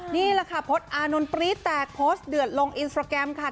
นี่แหละค่ะพจน์อานนท์ปรี๊แตกโพสต์เดือดลงอินสตราแกรมค่ะ